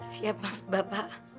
siap maksud bapak